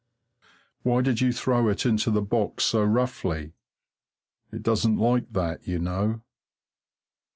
Why did you throw it into the box so roughly? It doesn't like that, you know.